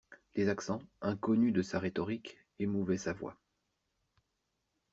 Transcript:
Des accents, inconnus de sa rhétorique, émouvaient sa voix.